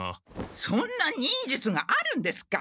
そんな忍術があるんですか？